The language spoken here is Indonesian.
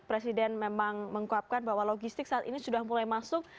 presiden memang menguapkan bahwa logistik saat ini sudah mulai masuk